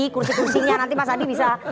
kursi kursinya nanti mas adi bisa